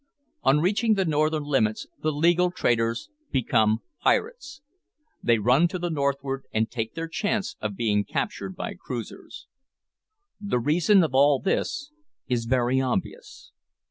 On reaching the northern limits the legal traders become pirates. They run to the northward, and take their chance of being captured by cruisers. The reason of all this is very obvious.